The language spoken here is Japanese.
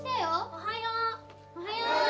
おはよう！